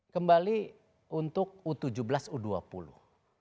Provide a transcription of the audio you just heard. kembali untuk u tujuh belas u dua puluh